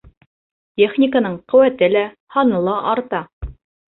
Техниканың ҡеүәте лә, һаны ла арта.